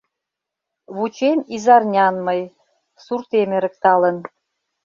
Вучем изарнян мый, суртем эрыкталын